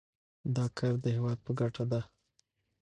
دا کار د هیواد په ګټه دی.